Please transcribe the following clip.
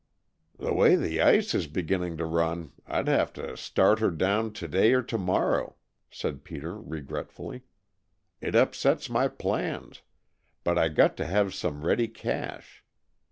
"The way the ice is beginning to run I'd have to start her down to day or to morrow," said Peter regretfully. "It upsets my plans, but I got to have some ready cash.